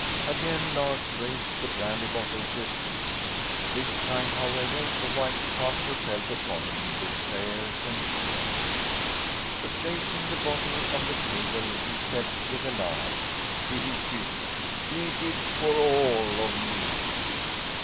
Again Lars raised the brandy bottle to his lips. This time, however, the wife cast herself upon him with prayers and tears. Replacing the bottle on the table, he said with a laugh: "Keep it! Keep it for all of me!"